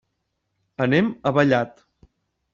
Anem a Vallat.